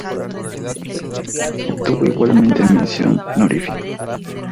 Obtuvo igualmente mención honorífica.